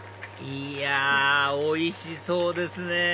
いやおいしそうですね！